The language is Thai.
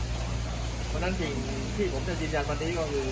เพราะฉะนั้นสิ่งที่ผมจะยืนยันวันนี้ก็คือ